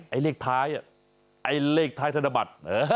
ไอ้เลขท้ายอ่ะไอ้เลขท้ายทะพบัฏ